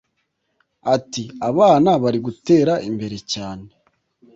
Ati “Abana bari gutera imbere cyane